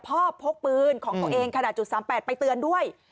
พ่อพกปืนของตัวเองขนาดจุดสามแปดไปเตือนด้วย